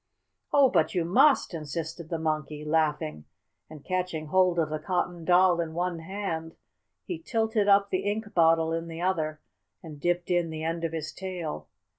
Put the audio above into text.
"Oh, but you must!" insisted the Monkey, laughing, and, catching hold of the Cotton Doll in one hand, he tilted up the ink bottle in the other, and dipped in the end of his tail.